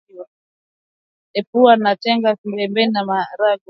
Epua na tenga pembeni maharage na nyama baada ya